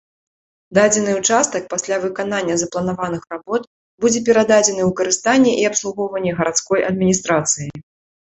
Дадзены ўчастак пасля выканання запланаваных работ будзе перададзены ў карыстанне і абслугоўванне гарадской адміністрацыі.